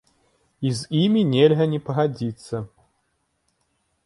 І з імі нельга не пагадзіцца!